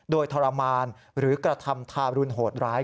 โดยทรมานหรือกระทำทารุณโหดร้าย